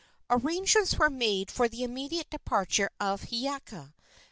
Arrangements were made for the immediate departure of Hiiaka.